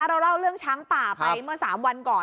เราเล่าเรื่องช้างป่าไปเมื่อ๓วันก่อน